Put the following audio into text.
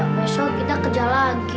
besok kita kerja lagi